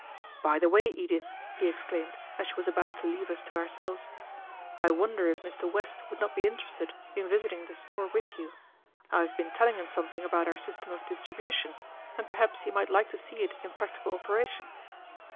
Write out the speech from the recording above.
"By the way, Edith," he exclaimed, as she was about to leave us to ourselves, "I wonder if Mr. West would not be interested in visiting the store with you? I have been telling him something about our system of distribution, and perhaps he might like to see it in practical operation."